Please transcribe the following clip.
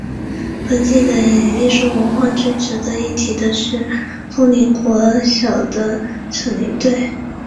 本地的艺术文化最值得一提的是林凤国小的扯铃队。